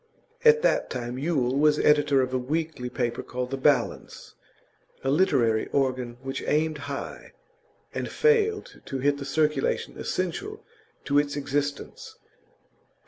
At that time Yule was editor of a weekly paper called The Balance, a literary organ which aimed high, and failed to hit the circulation essential to its existence.